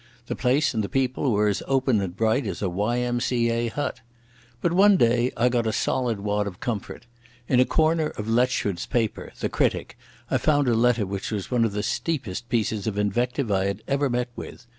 The place and the people were as open and bright as a Y.M.C.A. hut. But one day I got a solid wad of comfort. In a corner of Letchford's paper, the Critic, I found a letter which was one of the steepest pieces of invective I had ever met with.